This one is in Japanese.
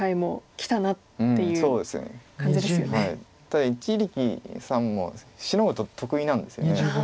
ただ一力さんもシノぐの得意なんですよね。